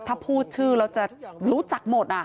ถ้าพูดชื่อแล้วจะรู้จักหมด